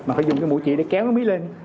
mà phải dùng cái mũi chỉ để kéo cái mí lên